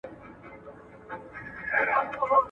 تور به خلوت وي د ریاکارو ..